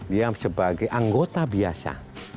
dia sebagai anggota biasa